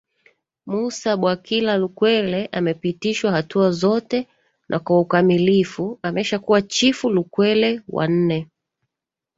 Mussa Bwakila Lukwele amepitishwa hatua zote na kwa ukamilifu ameshakuwa Chifu Lukwele wa nne